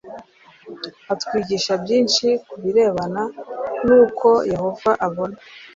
atwigisha byinshi ku birebana n uko yehova abona